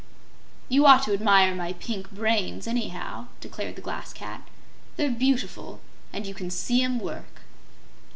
"You ought to admire my pink brains, anyhow," declared the Glass Cat. "They're beautiful and you can see 'em work."